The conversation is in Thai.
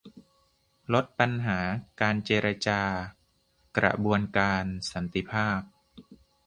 ลดปัญหาการเจรจากระบวนการสันติภาพ